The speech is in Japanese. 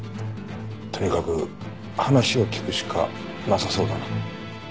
とにかく話を聞くしかなさそうだな。